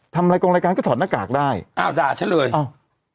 ทำอะไรกองรายการก็ถอดหน้ากากได้อ้าวด่าฉันเลยอ้าว